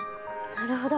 なるほど。